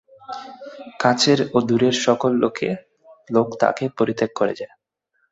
কাছের ও দূরের সকল লোক তাঁকে পরিত্যাগ করে যায়।